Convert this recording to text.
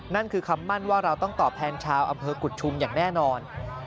นั่นคือคำมั่นว่าเราต้องตอบแทนชาวอำเภอกุฎชุมอย่างแน่นอน